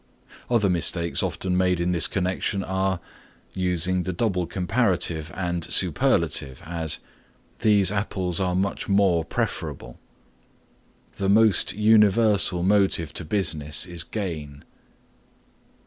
Other mistakes often made in this connection are (1) Using the double comparative and superlative; as, "These apples are much more preferable." "The most universal motive to business is gain."